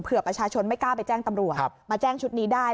ประชาชนไม่กล้าไปแจ้งตำรวจมาแจ้งชุดนี้ได้